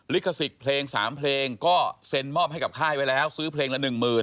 ลิขสิทธิ์เพลง๓เพลงก็เซ็นมอบให้กับค่ายไว้แล้วซื้อเพลงละ๑๐๐๐